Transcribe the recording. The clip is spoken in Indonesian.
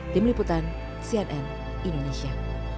tim liputan cnn indonesia